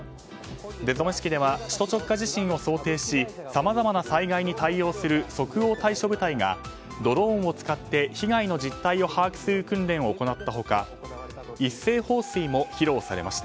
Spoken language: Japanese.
出初め式では首都直下地震を想定しさまざまな災害に対応する即応対処部隊がドローンを使って被害の実態を把握する訓練を行った他一斉放水も披露されました。